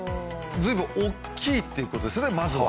ずいぶん大きいということですよね、まずは。